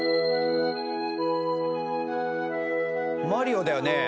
マリオだよね？